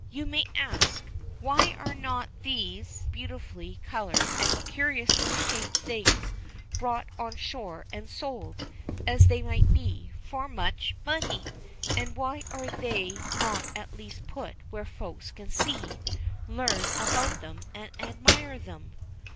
You may ask, why are not these beautifully colored and curiously shaped things brought on shore and sold, as they might be, for much money? And why are they not at least put where Folks can see, learn about them, and admire them?